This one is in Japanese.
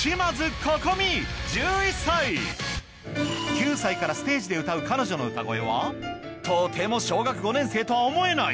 ９歳からステージで歌う彼女の歌声はとても小学５年生とは思えない